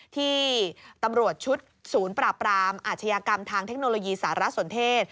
ที่ตำรวจชุดศูนย์ปราบรามอาชญากรรมทางเทคโนโลยีสารสนเทศ